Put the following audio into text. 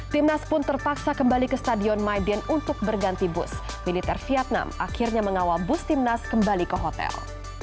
timnas pun terpaksa kembali ke stadion maiden untuk berganti bus militer vietnam akhirnya mengawal bus timnas kembali ke hotel